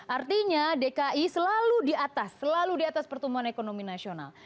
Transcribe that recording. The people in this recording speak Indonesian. artinya dki selalu di atas selalu di atas pertumbuhan ekonomi nasional